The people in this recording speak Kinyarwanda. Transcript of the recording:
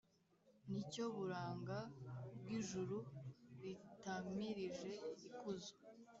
ni cyo buranga bw’ijuru ritamirije ikuzo.